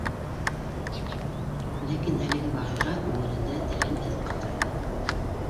Ләкин әлеге ваҡиға күңелендә тәрән эҙ ҡалдырҙы.